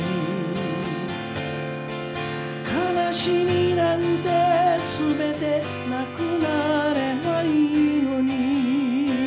「悲しみなんてすべてなくなればいいのに」